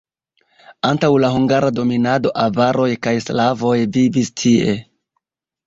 Antaŭ la hungara dominado avaroj kaj slavoj vivis tie.